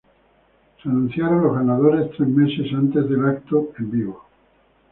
Se anunciaron los ganadores tres meses antes del evento en vivo.